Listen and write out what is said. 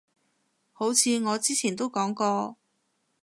好似我之前都講過